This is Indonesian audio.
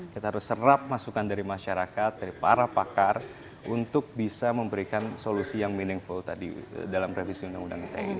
kita harus serap masukan dari masyarakat dari para pakar untuk bisa memberikan solusi yang meaningful tadi dalam revisi undang undang ite ini